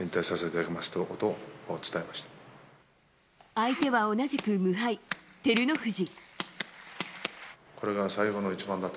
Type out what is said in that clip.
相手は同じく無敗、照ノ富士。